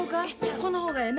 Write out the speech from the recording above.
この方がええな。